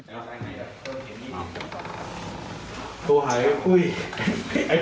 โป้หาย